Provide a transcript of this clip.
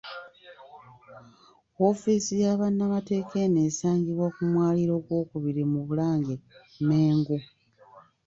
Woofiisi ya bannamateeka eno esangibwa ku mwaliro ogw'okubiri mu Bulange Mmengo.